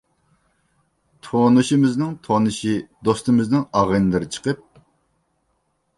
تونۇشىمىزنىڭ تونۇشى، دوستىمىزنىڭ ئاغىنىلىرى چىقىپ،